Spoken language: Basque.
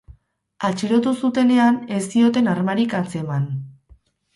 Atxilotu zutenean, ez zioten armarik atzeman.